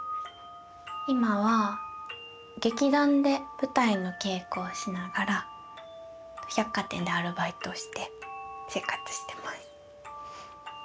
今は劇団で舞台の稽古をしながら百貨店でアルバイトをして生活してます。